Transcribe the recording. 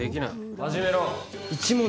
始めろ。